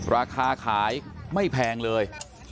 ราคาขายไม่แพงเลย